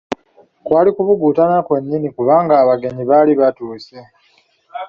Kwali kubuguutana kwennyini kubanga abagenyi baali batuuse.